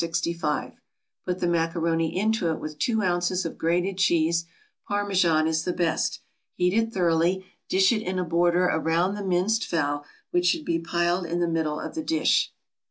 65: put the macaroni into it with two ounces of grated cheese, Parmesan is the best; heat it thoroughly; dish it in a border around the minced fowl, which should be piled in the middle of the dish.